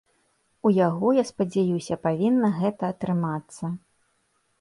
У яго, я спадзяюся, павінна гэта атрымацца.